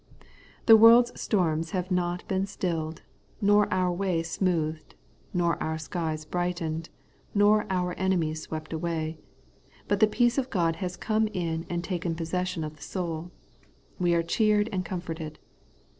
The world's storms have not been stilled, nor our way smoothed, nor our skies brightened, nor our enemies swept away ; but the peace of God has come in and taken possession of the soul. We are cheered and comforted.